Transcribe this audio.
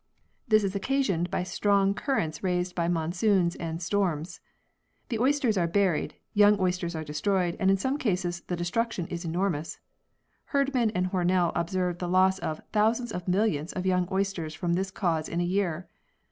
This is occasioned by strong currents raised by D. 4 50 PEARLS [CH. monsoons and storms. The oysters are buried young oysters are destroyed, and in some cases the destruction is enormous. Herdman and Hornell ob served the loss of "thousands of millions" of young oysters from this cause in a year.